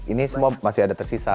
ini semua masih ada tersisa